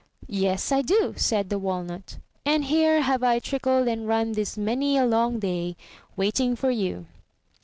'' '*Yes, I do,'' said the Walnut; and here have I trickled and run this many a long day, waiting for you."